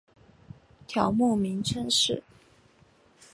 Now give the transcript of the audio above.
条目名称是